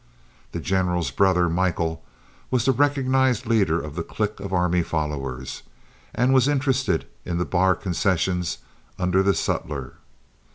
The general's brother, Michael, was the recognized leader of the clique of army followers, and was interested in the bar concessions under the sutler.